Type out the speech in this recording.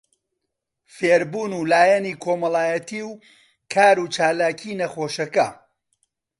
فێربوون و لایەنی کۆمەڵایەتی و کاروچالاکی نەخۆشەکە